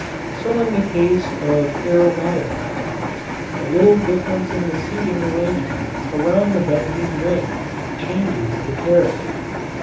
So in the case of aromatic compounds, a little difference in the seating arrangement around the benzene ring changes the character.